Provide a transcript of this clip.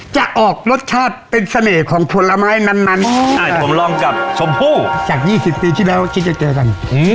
จะออกรสชาติเป็นเสน่ห์ของผลไม้นั้น